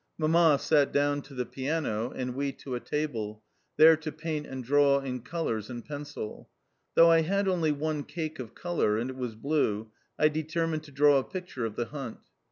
Mamma sat down to the piano, and we to a table, there to paint and draw in colours and pencil. Though I had only one cake of colour, and it was blue, I determined to draw a picture of the hunt.